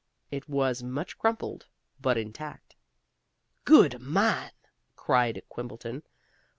It was much crumpled, but intact. "Good man!" cried Quimbleton.